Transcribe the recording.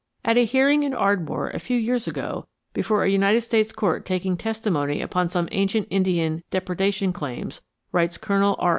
"At a hearing in Ardmore a few years ago before a United States court taking testimony upon some ancient Indian depredation claims," writes Colonel R.